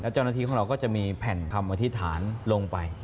เจ้าหน้าที่ของเราก็จะมีแผ่นคำอธิษฐานลงไป